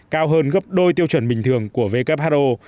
cao hơn gấp đôi tiêu chuẩn bình thường của who